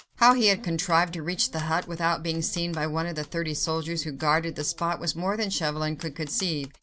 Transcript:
How he had contrived to reach the hut, without being seen by one of the thirty soldiers who guarded the spot, was more than Chauvelin could conceive.